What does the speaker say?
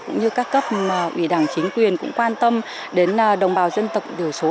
cũng như các cấp ủy đảng chính quyền cũng quan tâm đến đồng bào dân tộc thiểu số